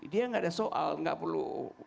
dia tidak ada soal tidak perlu